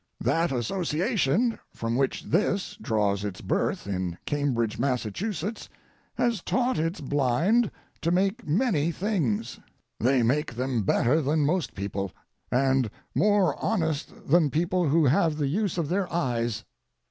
That association from which this draws its birth in Cambridge, Massachusetts, has taught its blind to make many things. They make them better than most people, and more honest than people who have the use of their eyes.